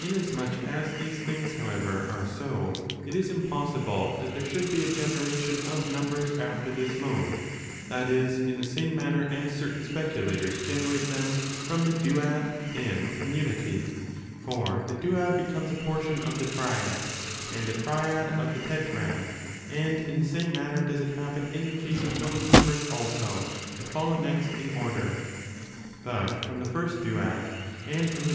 Inasmuch as these things, however, are so, it in the^gin^ratfon impossible that there should be a generation o' of numbers numbers after this mode, that is, in the same man place after a ner as Certain speculators generatef them from the wuh thS? duad and from unity. For the duad becomes a generation portion of the triad, and the triad of the tetrad ; aSTftomunSy. ^^^^^ *^6 Same manner does it happen in the case of those numbers, also, that follow next in order. But from the first duad, and from the